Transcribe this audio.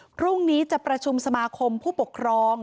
พรุ่งนี้จะประชุมสมาคมผู้ปกครอง